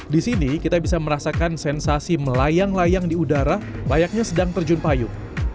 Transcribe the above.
di sini kita bisa merasakan sensasi melayang layang di udara layaknya sedang terjun payung